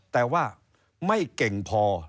แต่ว่าไม่เก่งพอ